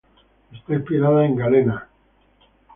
Está inspirado en Galena, Kansas.